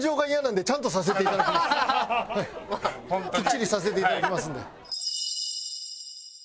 きっちりさせていただきますんで。